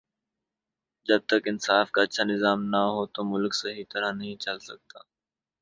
جب تک انصاف کا اچھا نظام نہ ہو تو ملک صحیح طرح نہیں چل سکتا